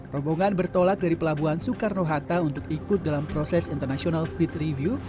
rombongan bertolak dari pelabuhan soekarno hatta untuk ikut dalam proses international freed review